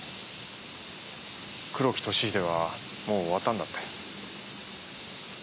黒木俊英はもう終わったんだって。